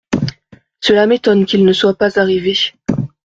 Cela m’étonne qu’il ne soit pas arrivé.